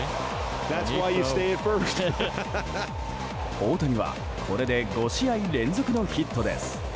大谷はこれで５試合連続のヒットです。